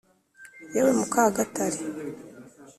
yewe muka, gatare